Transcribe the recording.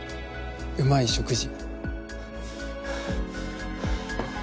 うまい「食事」。